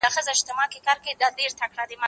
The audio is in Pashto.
زه به سبا سندري واورم!.